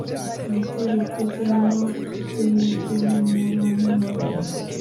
iri tegeko cyangwa bitemejwe na banki nkuru